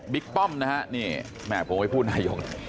ป้อมนะฮะนี่แม่ผมไม่พูดนายก